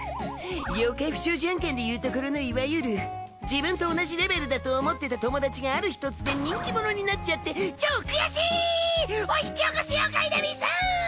妖怪不祥事案件でいうところのいわゆる自分と同じレベルだと思ってた友達がある日突然人気者になっちゃって超悔しい！を引き起こす妖怪でうぃす！